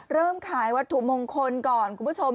เริ่มขายวัตถุมงคลก่อนคุณผู้ชม